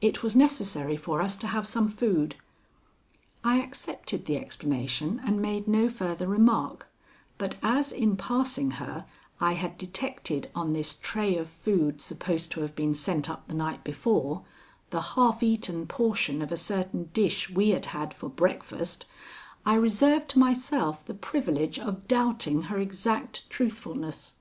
It was necessary for us to have some food." I accepted the explanation and made no further remark, but as in passing her I had detected on this tray of food supposed to have been sent up the night before, the half eaten portion of a certain dish we had had for breakfast, I reserved to myself the privilege of doubting her exact truthfulness.